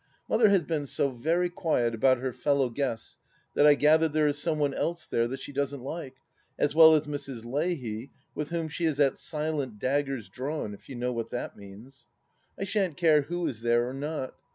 Mother has been so very quiet about her fellow guests that I gather there is some one else there that she doesn't like, as well as Mrs. Leahy, with whom she is at silent daggers drawn, if you know what that means. I shan't care who is there or not.